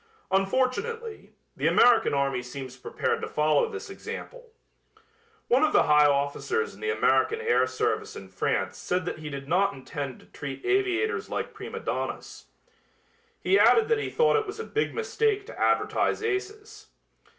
Unfortunately, the American army seems prepared to follow this example. One of the high officers in the American air service in France said that he did not intend to treat aviators like prima donnas. He added that he thought it was a big mistake to advertise aces.